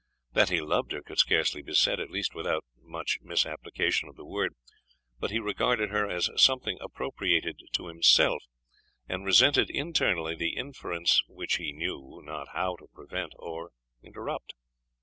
That he loved her, could scarcely be said, at least without much misapplication of the word; but he regarded her as something appropriated to himself, and resented internally the interference which he knew not how to prevent or interrupt.